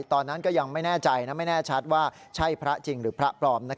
ตอนนั้นก็ยังไม่แน่ใจไม่แน่ชัดว่าใช่พระจริงหรือพระปลอม